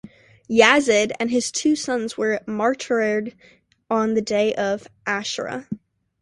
Yazid and his two sons were martyred on the Day of Ashura.